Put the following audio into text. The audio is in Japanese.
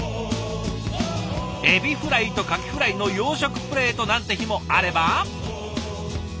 エビフライとカキフライの洋食プレートなんて日もあれば。